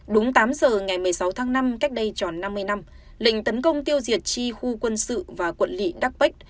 đúng tám giờ ngày một mươi sáu tháng năm cách đây tròn năm mươi năm lệnh tấn công tiêu diệt chi khu quân sự và quận lị đắc p